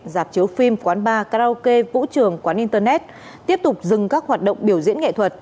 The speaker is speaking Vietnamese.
dạp chiếu phim quán bar karaoke vũ trường quán internet tiếp tục dừng các hoạt động biểu diễn nghệ thuật